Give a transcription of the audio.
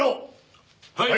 はい！